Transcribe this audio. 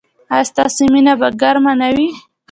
ایا ستاسو مینه به ګرمه نه وي؟